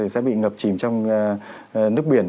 sẽ bị ngập chìm trong nước biển